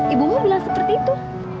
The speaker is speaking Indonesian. ibumu bilang seperti itu